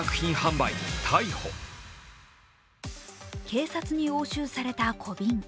警察に押収された小瓶。